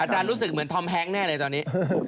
รู้สึกเหมือนทอมแฮ้งแน่เลยตอนนี้